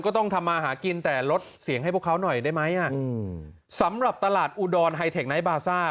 ต้องทำมาหากินแต่ลดเสียงให้พวกเขาหน่อยได้ไหมสำหรับตลาดอุดรไฮเทคไนท์บาซ่า